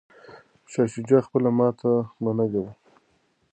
شاه شجاع خپله ماته منلې وه.